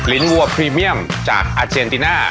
ลิ้นวัวพรีเมี่ยมจากอเจนติน่า